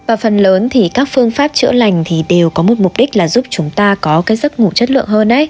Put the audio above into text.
và phần lớn thì các phương pháp chữa lành thì đều có một mục đích là giúp chúng ta có cái giấc ngủ chất lượng hơn